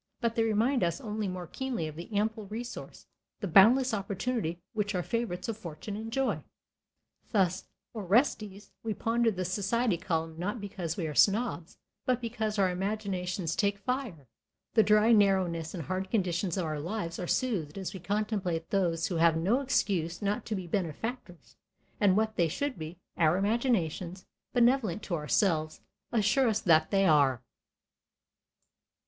But they remind us only more keenly of the ample resource, the boundless opportunity which our favorites of fortune enjoy. Thus, Orestes, we ponder the society column not because we are snobs, but because our imaginations take fire; the dry narrowness and hard conditions of our lives are soothed as we contemplate those who have no excuse not to be benefactors; and what they should be, our imaginations, benevolent to ourselves, assure us that they are.